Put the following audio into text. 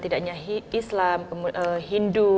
tidak hanya islam hindu